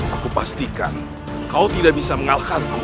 aku pastikan kau tidak bisa mengalahkan ku